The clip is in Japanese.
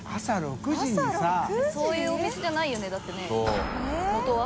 そういうお店じゃないよねだってねもとは。